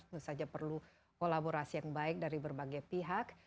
tentu saja perlu kolaborasi yang baik dari berbagai pihak